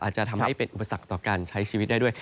อาจจะทำให้เป็นอุปสรรคต่อการใช้ชีวิตได้ด้วย